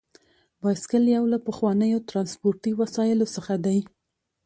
بایسکل یو له پخوانیو ترانسپورتي وسایلو څخه دی.